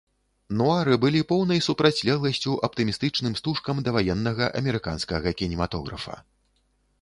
Нуары былі поўнай супрацьлегласцю аптымістычным стужкам даваеннага амерыканскага кінематографа.